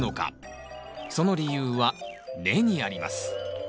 その理由は根にあります